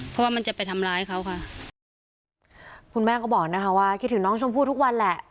เพราะว่ามันจะไปทำร้ายเขาค่ะคุณแม่ก็บอกนะคะว่าคิดถึงน้องชมพู่ทุกวันแหละ